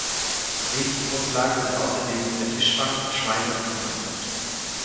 Lebensgrundlage sind außerdem der Fischfang, Schweine- und Hühnerzucht.